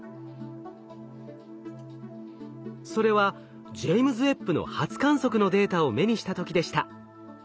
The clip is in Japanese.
それはジェイムズ・ウェッブの初観測のデータを目にした時でした。